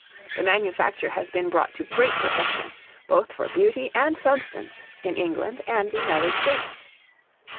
The manufacture has been brought to great perfection, both for beauty and substance, in England and the United States.